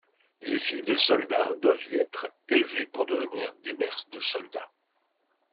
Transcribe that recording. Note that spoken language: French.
Les filles de soldats doivent y être élevées pour devenir des mères de soldat.